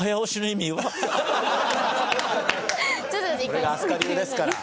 これが飛鳥流ですから。